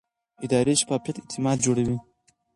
اداري شفافیت اعتماد جوړوي